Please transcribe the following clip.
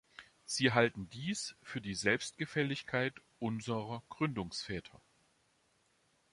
Sie halten dies für die Selbstgefälligkeit unserer Gründungsväter.